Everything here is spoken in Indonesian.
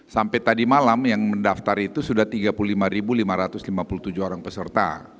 sampai tadi malam yang mendaftar itu sudah tiga puluh lima lima ratus lima puluh tujuh orang peserta